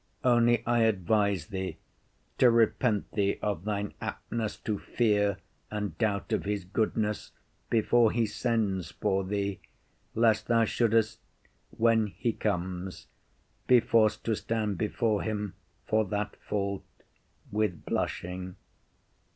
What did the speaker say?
Only I advise thee to repent thee of thine aptness to fear and doubt of his goodness before he sends for thee, lest thou shouldest, when he comes, be forced to stand before him for that fault with blushing.